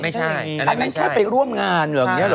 อันนั้นแค่ไปร่วมงานเหรอ